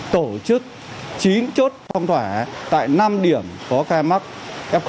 tổ chức chín chốt phong thỏa tại năm điểm có ca mắc f